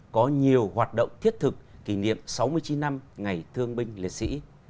có nhiều hoạt động thiết thực kỷ niệm sáu mươi chín năm ngày thương binh liệt sĩ